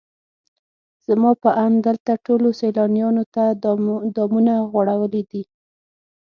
زما په اند دلته ټولو سیلانیانو ته دامونه غوړولي دي.